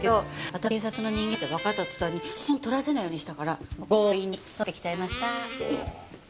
私が警察の人間だってわかった途端に指紋採らせないようにしたから強引に採ってきちゃいました。